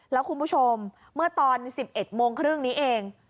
แล้วคุณผู้ชมเมื่อตอน๑๑โมงครึ่งนี้เอง